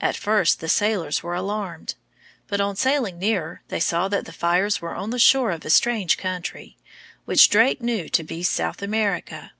At first the sailors were alarmed; but on sailing nearer they saw that the fires were on the shore of a strange country, which Drake knew to be South America.